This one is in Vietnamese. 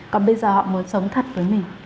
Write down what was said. còn bây giờ họ muốn sống thật với mình